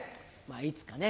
いつかね